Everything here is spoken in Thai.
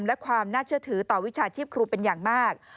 และความน่าเชื่อถือต่อวิชาชีพครูเป็นอย่างมาก